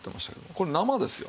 これ生ですよ。